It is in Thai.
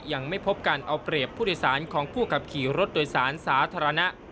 ยังไม่พบการเอาเปรียบผู้โดยสารของผู้ขับขี่รถโดยสารสาธารณะ